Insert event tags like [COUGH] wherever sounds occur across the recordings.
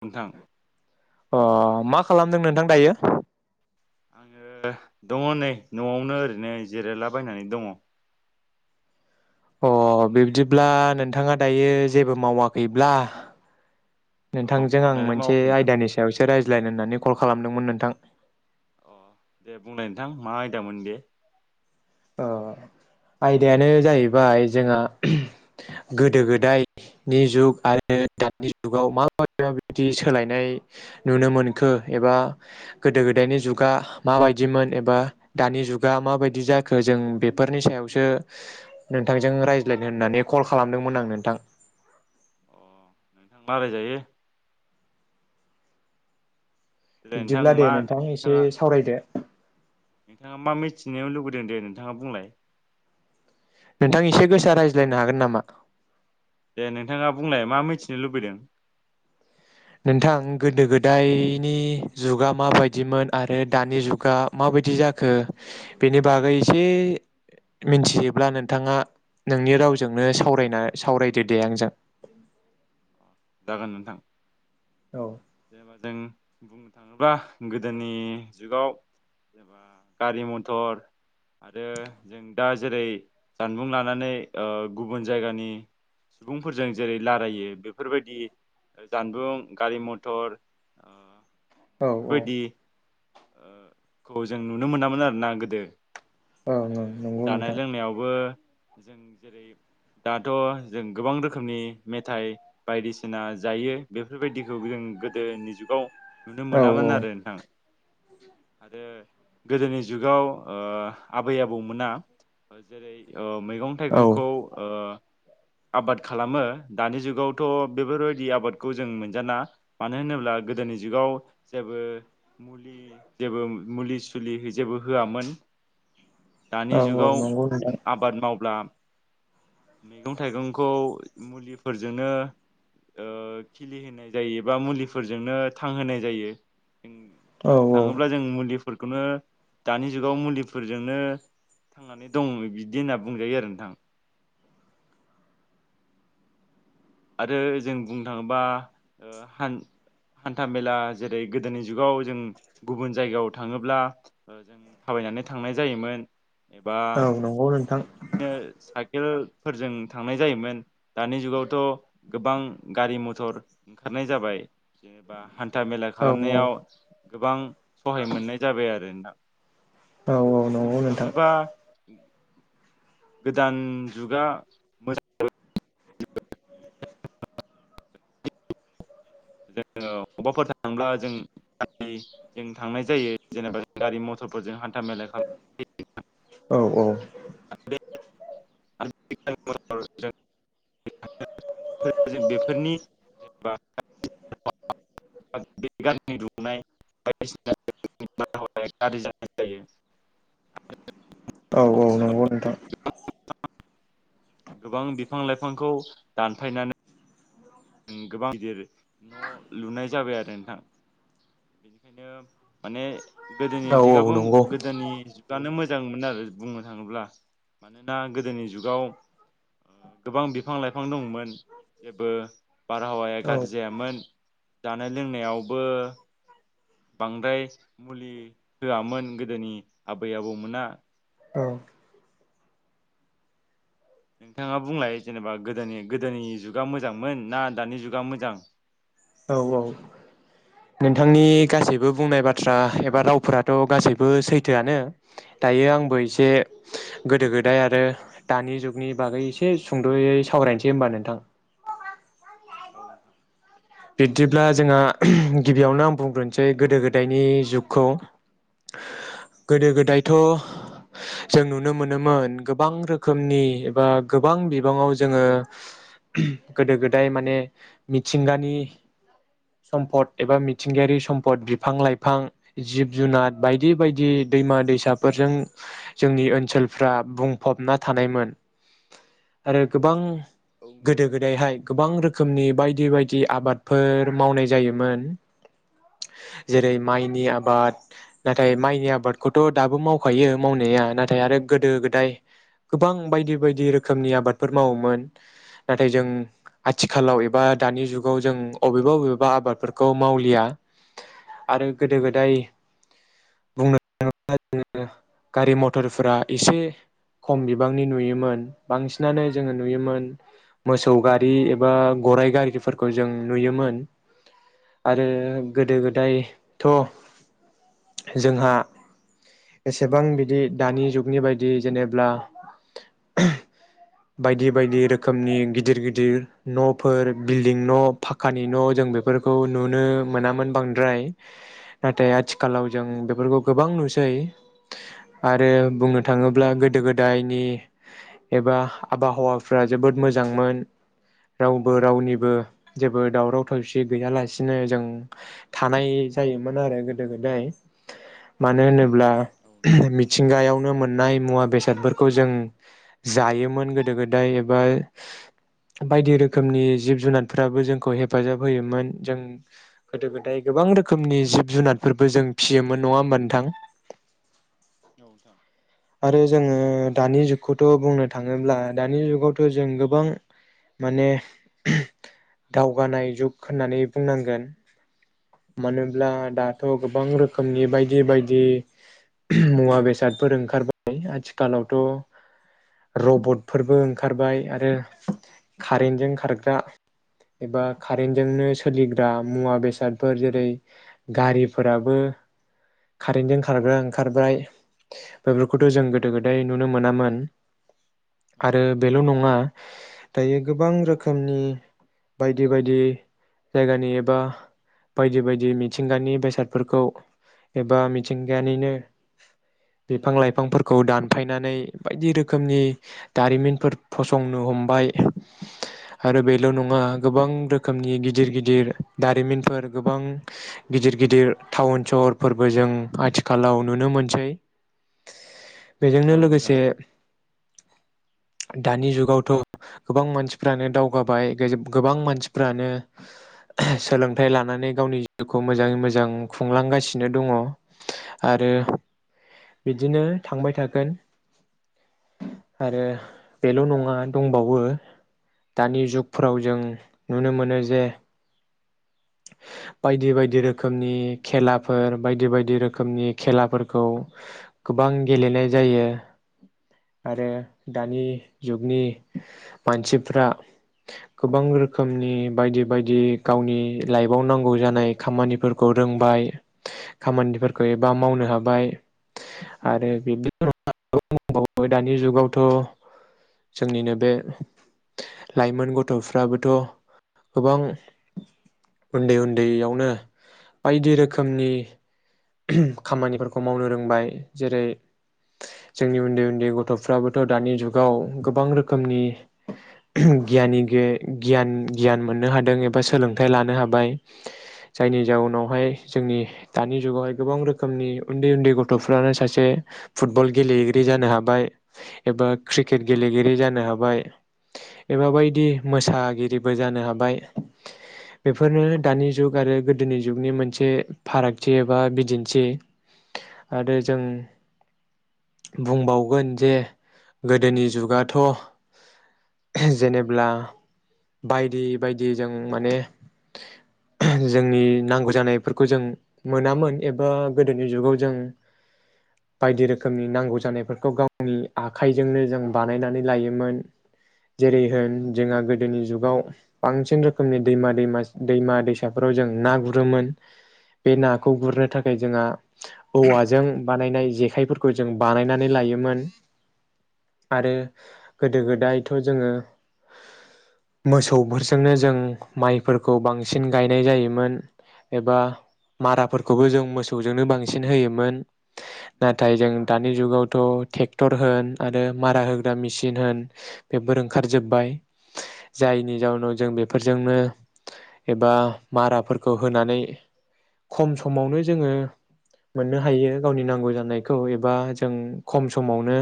नोंथां अ मा खालामदों नोंथां दायो आङो दङ नै न'आवनो ओरैनो जिरायलाबायनानै दङ अ बिब्दिब्ला नोंथाङा दायो जेबो मावाखैब्ला नोंथांजों आं मावनायालाय मोनसे मावाखै नोंथां आयदानि सायावसो रायज्लायनो होननानै कल। खालामदोंमोन नोंथां। अ दे बुंलाय नोंथां मा आयदामोन बे। ओ आयदायानो जाहैबाय जोंहा गोदो गोदायनि जुग आरो दानि जुगाव मा माबायदि सोलायनाय नुनो मोनखो एबा गोदो गोदायनि जुगा माबायदिमोन एबा दानि जुगा माबायदि जा जों बेफोरनि सायावसो नोंथांजों रायज्लायनो होननानै कल खालामदोंमोन आं नोंथां। अ नोंथां रालायजायो। देलाय नोंथां बिब्दिब्ला दे मा नोंथां एसे नोंथाङा सावरायदो। नोंथाङा मा मिथिनोनो लुुबैदों दे नोंथाङा बुंलाय। नोंथां एसे गोसा रायज्लायनो हागोन नामा? दे नोंथाङा बुंलाय मा मिथिनो लुबैदों। नोंथां गोदो गोदायनि जुगा माबायदिमोन आरो दानि जुगा माबायदि जाखो बेनि बागै एसे मिथियोब्ला नोंथाङा नोंनि रावजोंनो सावरायना सावरायदो दे आंजों। जागोन नोंथां औ जेनबा जों बुंनो थाङोब्ला गोदोनि जुगाव जेबा गारि मथर आरो जों दा जेरै जानबुं लानानै ओ गुबुन जायगानि सुबुंफोरजों जेरै रायलायो बेफोरबायदि जानबुं गारि म थर औ बेफोरबायदि औ खौ जों नुनो मोनामोन आरोना गोदो आरो नंगौ जानाय नोंथां लोंनायावबो जों जेरै दाथ' जों गोबां रोखोमनि मेथाइ बायदिसिना जायो बेफोरबायदिखौ जों गोदोनि जुगाव नुनो औ मोनामोन आरो नोंथां आरो गोदोनि जुगाव ओ आबै आबौमोना जेरै ओ मैगं औ थाइगंखौ ओ आबाद खालामो दानि जुगावथ' बेफोरबायदि आबादखौ जों मोनजाला मानो होनोब्ला गोदोनि जुगाव जेबो मुलि जेबो मुलि सुलि जेबो होआमोन दानि औ जुगाव नंगौ नोंथां आबाद मावब्ला मैगं थाइगंखौ मुलिफोरजोंनो ओ खिलिहोनाय जायो बा मुलिफोरजोंनो थांहोनाय जायो जों औ बुंनो थाङोब्ला जों मुलि फोरखौनो दानि जुगाव मुलि फोरजोंनो थांनानै दङ बिदि होनना बुंजायो आरो नोंथां आरो जों बुंनो थाङोबा ओ हान हान्थामेला जेरै गोदोनि जुगाव जों गुबुन जायगायाव थाङोब्ला ओ जों थाबायनानै थांनाय जायोमोन एबा औ नंगौ नोंथां औ औ नंगौ नोंथां बिदिनो सा इकेल फोरजों थांनाय जायोमोन दानि जुगावथ' गोबां गारि मथर ओंखारनाय जाबाय जेनेबा हान्था मेला औ खालामनायाव गोबां सहाय मोननाय जाबाय आरो नोंथां औ औ नंगौ बुंनो नोंथां थाङोबा गोदान जुगा [UNINTELLIGIBLE] [UNINTELLIGIBLE] जों अबावबाफोर थांब्ला जों जों थांनाय जायो जेनेबा गारि मथरफोरजों हान [UNINTELLIGIBLE] [UNINTELLIGIBLE] बेफोरनि [UNINTELLIGIBLE] [UNINTELLIGIBLE] औ औ नंगौ नोंथां [UNINTELLIGIBLE] गोबां बिफां लाइफांखौ दानफायनानै गोबां गिदिर न' लुनाय जाबाय आरो नोंथां बेनिखायनो माने गोदोनि औ औ दिगाबो नंगौ गोदोनि जुगानो मो जांमोन आरो बुंनो थाङोब्ला मानोना गोदोनि जुगाव ओ गोबां बिफां लाइफां दंमोन जेबो बारहावाया औ गाज्रि जायामोन जानाय लोंनायावबो बांद्राय मुलि होआमोन गोदोनि आबै आबौमोना औ नोंथाङा बुंलाय जेनेबा गोदोनि गोदोनि जुगा मोजांमोन ना दानि जुगा मोजां औ औ नोंथांनि गासैबो बुंनाय बाथ्रा एबा रावफोराथ' गासैबो सैथोआनो दायो आंबो एसे गोदो गोदाय आरो दानि जुगनि बागै एसे सुंद'यै सावरायनोसै होमबा नोंथां ओ नोंथां बिब्दिब्ला जोंहा गिबियावनो आं बुंग्रोनोसै गोदो गोदायनि जुगखौ औ गोदो गोदायथ' जों नुनो मोनोमोन गोबां रोखोमनि एबा गोबां बिबाङाव जोङो गोदो गोदाय माने मिथिंगानि सम्पद एबा मिथिंगायारि सम्पद बिफां लाइफां जिब जुनार बायदि बायदि दैमा दैसाफोरजों जोंनि ओनसोलफ्रा बुंफबना थानायमोन आरो गोबां औ नोंथां गोदो गोदायहाय गोबां रोखोमनि बायदि बायदि आबाद फोर मावनाय जायोमोन जेरै माइनि आबाद नाथाय माइनि आबादखौथ' दाबो मावखायो मावनाया नाथाय आरो गोदो गोदाय गोबां बायदि बायदि रोखोमनि आबादफोर मावोमोन नाथाय जों आथिखालाव एबा दानि जुगाव जों अबेबा बबेबा आबादफोरखौ मावलिया आरो गोदो गोदाय बुंनो थाङोब्ला जोङो गारि मथरफोरा एसे खम बिबांनि नुयोमोन बांसिनानो जोङो नुयोमोन मोसौ गारि एबा गराइ गारिफोरखौ जों नुयोमोन आरो औ नोंथां गोदो गोदायथ' जोंहा एसेबां बिदि दानि जुगनि बायदि जेनेब्ला बायदि बायदि रोखोमनि गिदिर गिदिर न'फोर बिल्डिं न' फकानि न' जों बेफोरखौ नुनो मोनामोन बांद्राय नाथाय आथिखालाव जों बेफोरखौ गोबां नुसै आरो बुंनो थाङोब्ला गोदो गोदायनि एबा आबहावाफ्रा जोबोद मोजांमोन रावबो रावनिबो जेबो दावराव दावसि गैयालासिनो जों थानाय जायोमोन आरो गोदो गोदाय मानो होनोब्ला औ नोंथां ब्ला मिथिंगायावनो मोन नाय मुवा बेसादफोरखौ जों जायोमोन गोदो गोदाय एबा बायदि रोखोमनि जिब जुनार फोराबो जोंखौ हेफाजाब होयोमोन जों गोदो गोदाय गोबां रोखोमनि जिब जुनारफोरबो जों फिसियोमोन नङा होमबा नोंथां? औ नोंथां आरो जोङो दानि जुगखौथ' बुंनो थाङोब्ला दानि जुगावथ' जों गोबां माने दावगानाय जुग होननानै बुंनांगोन। मानोब्ला औ नोंथां दाथ' गोबां रोखोमनि बायदि बे बायदि मुवा बेसादफोर ओंखार ओंखारबाय आथिखालावथ' रबटफोरबो ओंखारबाय आरो कारेन्टजों खारग्रा एबा कारेन्टजोंनो सोलिग्रा मुवा बेसादफोर जेरै गारिफोराबो कारेन्टजों खारग्रा ओंखारबाय। औ बेफोरखौथ' जों गोदो नोंथां गोदाय नुनो मोनामोन। औ आरो बेल' नोंथां नङा दायो गोबां रोखोमनि बायक बायदि बायदि जायगानि एबा बायदि बायदि मिथिंगानि बेसादफोरखौ एबा मिथिंगानिनो बिफां लाइफांफोरखौ दानफायनानै बायदि रोखोमनि दारिमिनफोर फसंनो हमबाय आरो बेल' नङा गोबां रोखोमनि गिदिर गिदिर दारिमिनफोर गोबां गिदिर गिदिर टाउन सहरफोरबो जों आथिखालाव नुनो मोनसै। बेजोंनो औ नोंथां लोगोसे दानि जुगावथ' गोबां मानसिफ्रानो दावगाबाय गोबां मानसिफ्रानो सोलोंथाइ लानानै गावनि जिउखौ मोजाङै मोजां खुंलांगासिनो दङ आरो। बिदिनो थांबाय थागोन आरो बेल' नङा दंबावो दानि जुगफ्राव जों नुनो मोनो जे बायदि बायदि रोखोम औ रोखोमनि नोंथां खेलाफोर बायदि बायदि रोखोम रोखोमनि खेलाफोरखौ गोबां गेलेनाय जायो आरो दानि जुगनि मानसिफ्रा गोबां रोखोमनि बायदि बायदि गावनि लाइफआव नांगौ जानाय खामानिफोरखौ रोंबाय खामानिफोरखौ एबा मावनो हाबाय। आरो बिब्दिबावबाय दानि जुगावथ' जोंनिनो बे लाइमोन गथ'फ्राबोथ' गोबां उन्दै उन्दैयावनो बायदि रोखोमनि खामानिफोरखौ मावनो रोंबाय जेरै जोंनि उन्दै उन्दै गथ'फ्राबोथ' दानि जुगाव गोबां रोखोमनि गियानि गे गियान गियान मोननो हादों एबा सोलोंथाइ लानो हाबाय जायनि जाउनावहाय जोंनि दानि जुगावहाय गोबां रोखोमनि उन्दै उन्दै गथ'फ्रानो सासे फुटबल गेलेगिरि जानो हाबाय। एबा औ क्रिकेट नोंथां गेलेगिरि जानो हाबाय एबा बायदि मोसागिरिबो जानो हाबाय बेफोरनो दानि जुग आरो गोदोनि जुगनि मोनसे फारागथि एबा दिन्थि आरो जों बुंबावगोन जे गोदोनि जुगाथ' जेनेब्ला बायदि बायदि जों माने जोंनि नांगौ जानायफोरखौ जों मोनामोन। एबा गोदोनि जुगाव जों बायदि रोखोमनि नांगौ जानायफोरखौ गावनि आखाइजोंनो जों बानायनानै लायोमोन जेरै होन जोंहा गोदोनि जुगाव बांसिन रोखोमनि दैमा दैम दैमा दैसाफोराव जों ना गुरोमोन। बे औ नाखौ नोंथां गुरनो जोंहा औवाजों बानायनाय जेखायफोरखौ जों बानायनानै लायोमोन आरो गोदो गोदायथ' जोङो मोसौफोरजोंनो जों माइफोरखौ बांसिन गायनाय जायोमोन एबा मारा खौबो जों मोसौजोंनो बांसिन होयोमोन। औ नाथाय जों दानि जुगावथ' थेक ट्रेक्टर होन आरो मारा होग्रा मेसिन होन बेफोर ओंखार जोब्बाय जायनि जाउनाव जों बेफोरजोंनो एबा माराफोरखौ होनानै खम सम सममावनो जोङो मोननो हायो गावनि नांगौ जानायखौ एबा जों खम समावनो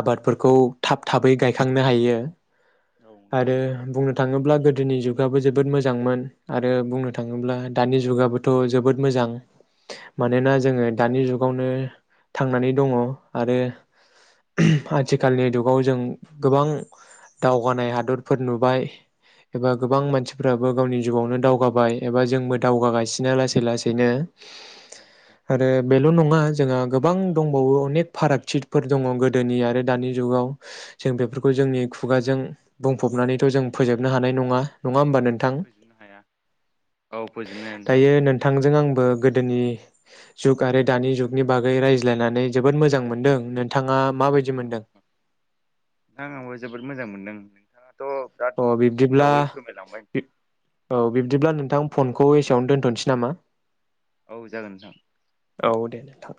आबादफोरखौ थाब थाबै गायखांनो हायो। नोंथां औ आरो बुंनो थाङोब्ला गोदो गोदोनि जुगाबबो जोबोद मोजांमोन। आरो बुंनो थाङोब्ला। नि जुगाबोथ' जोबोद मोजां। नोंथां औ मानोना जोङो दानि जुगावनो। थांनानै दङ आरो आथिखालनि जुगाव जों गोबां दावगानाय हादरफोर नुबाय एबा गोबां मानसिफ्राबो गावनि जिउावनो दावगाबाय एबा जों मो दावगा गासिनो लासै लासैनो औ नोंथां आरो बेल' नङा जोंहा गोबां दंबावो अनेक फारागथितफोर दङ गोदोनि आरो दानि जुगाव जों बेफोरखौ जोंनि खुगाजों बुंफबनानैथ' जों फोजोबनो हानाय नङा होमबा नोंथां फोजोबनो हाया औ। फोजोबनायानो दा दायो नोंथांजों आंबो गोदोनि जुग आरो दानि जुगनि बागै रायज्लायनानै जोबोद मोजां मोनदों नोंथाङा। माबायदि औ मोनदों ना आंबो जोबोद मोजां मोनदों। नोंथाङा। अ बिब्दिब्ला नोंथां औ बि बिदिब्ला नोंथां फनखौ एसेयावनो दोनथ'नोसै नामा? औ जागोन नोंथां। औ दे नोंथां।